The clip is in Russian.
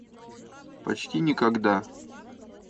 Почти никогда.